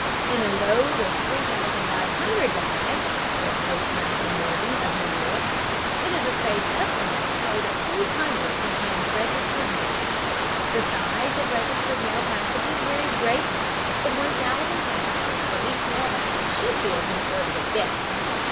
"In a load of 3500 bags," said Postmaster Morgan, of New York, "it is a safe estimate to say that 200 contained registered mail. The size of registered mail packages varies greatly, but 1000 packages for each mail bag should be a conservative guess.